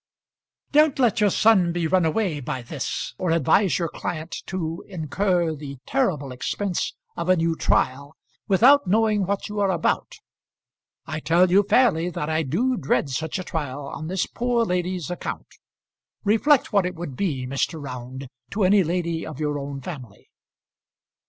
"Don't let your son be run away with by this, or advise your client to incur the terrible expense of a new trial, without knowing what you are about. I tell you fairly that I do dread such a trial on this poor lady's account. Reflect what it would be, Mr. Round, to any lady of your own family."